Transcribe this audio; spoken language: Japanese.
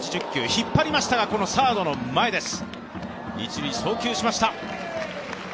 引っ張りましたがサードの前です。